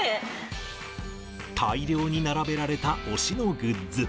大量に並べられた推しのグッズ。